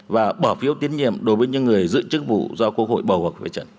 và bỏ phiếu tiến nhiệm đối với những người dự trức vụ do quốc hội bầu hoặc vệ trận